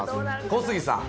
小杉さん